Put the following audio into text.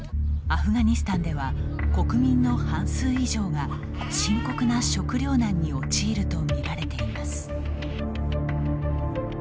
アフガニスタンでは国民の半数以上が深刻な食糧難に陥るとみられています。